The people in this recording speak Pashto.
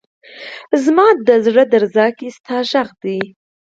زما ده زړه درزا کي ستا غږ دی